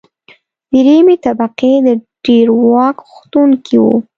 درېیمې طبقې د ډېر واک غوښتونکي وو.